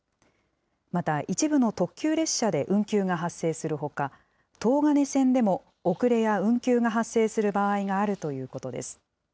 また一部の特急列車で運休が発生するほか、東金線でも遅れや運休が発生する場合があるということです。